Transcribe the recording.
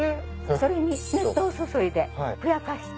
それに熱湯を注いでふやかして。